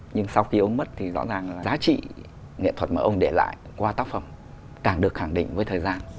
nhưng sau khi ông mất thì rõ ràng là giá trị nghệ thuật mà ông để lại qua tác phẩm càng được khẳng định với thời gian